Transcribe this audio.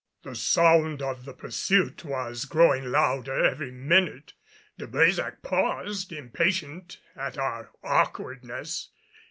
The sound of the pursuit was growing louder every minute; De Brésac paused, impatient at our awkwardness.